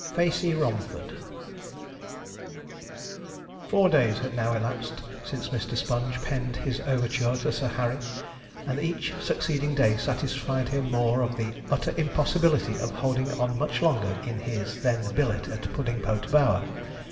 FACEY ROMFORD] Four days had now elapsed since Mr. Sponge penned his overture to Sir Harry, and each succeeding day satisfied him more of the utter impossibility of holding on much longer in his then billet at Puddingpote Bower.